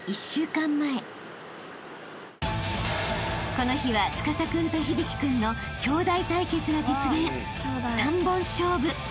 ［この日は司君と響君の兄弟対決が実現］